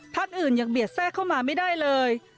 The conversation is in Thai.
อื่นยังเบียดแทรกเข้ามาไม่ได้เลย